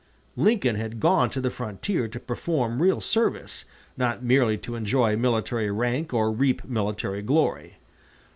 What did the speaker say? Lincoln had gone to the frontier to perform real service, not merely to enjoy military rank or reap military glory.